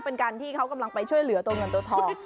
เป็นการที่เขากำลังไปช่วยเหลือตัวเงินตัวทอง